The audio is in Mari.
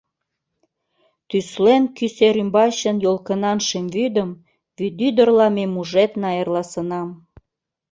Тӱслен кӱ сер ӱмбачын йолкынан шем вӱдым, Вӱдӱдырла ме мужедна эрласынам.